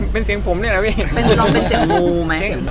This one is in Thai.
เป็นเสียงผมเนี่ยแล้วอีก